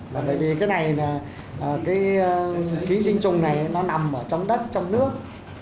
bởi vì cái này cái ký sinh trùng này nó nằm ở trong đất trong nước